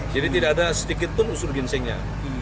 jadi tidak ada sedikit pun usur ginsengnya